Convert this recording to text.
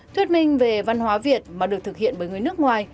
thuyết minh về văn hóa việt mà được thực hiện bởi người nước ngoài